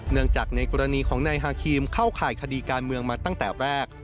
จากในกรณีของนายฮาครีมเข้าข่ายคดีการเมืองมาตั้งแต่แรก